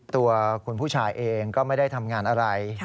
ตัวคุณผู้ชายเองก็ไม่ได้ทำงานอะไร